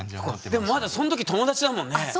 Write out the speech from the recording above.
でもまだその時友達だもんね。